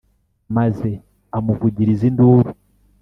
maze amuvugiriza induru